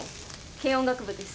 軽音楽部です。